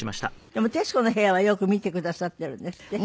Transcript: でも『徹子の部屋』はよく見てくださっているんですって？